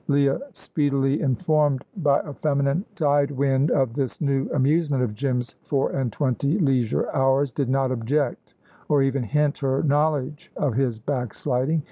Leah, speedily informed by a feminine sidewind of this new amusement of Jim's four and twenty leisure hours, did not object, or even hint her knowledge of his backsliding.